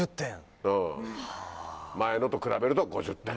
前のと比べると５０点。